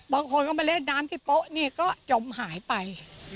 บางคนก็มาเล่นน้ำที่โป๊ะนี่ก็จมหายไป